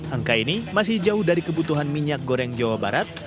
angka ini masih jauh dari kebutuhan minyak goreng jawa barat